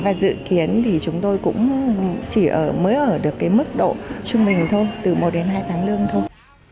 và dự kiến thì chúng tôi cũng chỉ mới ở được cái mức độ trung bình thôi từ một đến hai tháng lương thôi